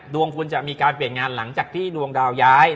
ดวงคุณจะมีการเปลี่ยนงานหลังจากที่ดวงดาวย้าย